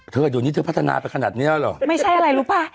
เธอเดี๋ยวนี้เธอพัฒนาไปขนาดเนี้ยเหรอไม่ใช่อะไรรู้ป่ะ